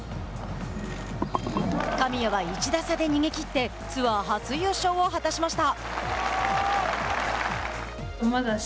神谷は１打差で逃げ切ってツアー初優勝を果たしました。